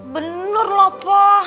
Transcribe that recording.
bener loh pa